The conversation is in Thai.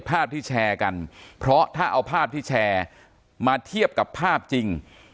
ภาพที่แชร์กันเพราะถ้าเอาภาพที่แชร์มาเทียบกับภาพจริง